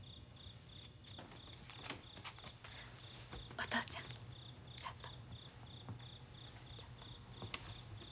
お父ちゃんちょっと。